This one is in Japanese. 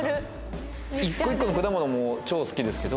１個１個の果物も超好きですけど。